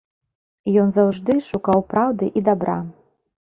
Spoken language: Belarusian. Ён заўжды шукаў праўды і дабра.